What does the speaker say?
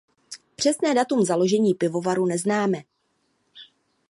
Přesné datum založení pivovaru neznáme.